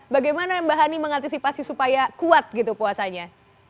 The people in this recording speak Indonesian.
bagaimana mbak hani mengantisipasi supaya kuat gitu puasanya